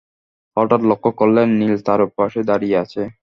হঠাৎ লক্ষ করলেন, নীলু তাঁর পাশে দাঁড়িয়ে আছে।